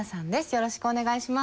よろしくお願いします。